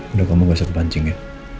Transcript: udah kamu bisa kebancing ya